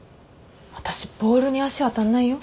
私ボールに足当たんないよ？